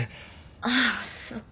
ああそっか。